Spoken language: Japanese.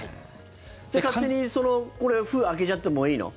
勝手に封を開けちゃってもいいの？